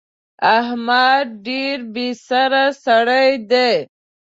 احمد ډېر بې سره سړی دی.